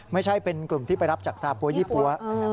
ไม่ใช่เป็นกลุ่มที่ไปรับจากซาปั๊วยี่ปั๊ว